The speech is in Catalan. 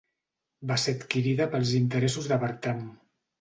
Va ser adquirida pels interessos de Bertram.